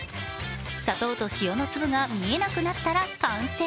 砂糖と塩の粒が見えなくなったら完成。